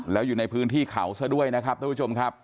แล้วอยู่ในพื้นที่เขาซะด้วยนะครับท่านผู้ชมครับ